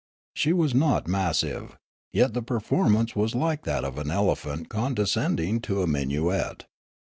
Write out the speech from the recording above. She was not massive ; yet the per formance was like that of an elephant condescending to a minuet.